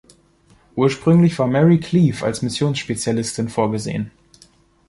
Ursprünglich war Mary Cleave als Missionsspezialistin vorgesehen.